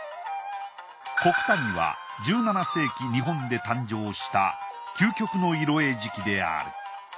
古九谷は１７世紀日本で誕生した究極の色絵磁器である。